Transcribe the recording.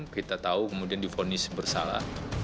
kita tahu kemudian difonis bersalah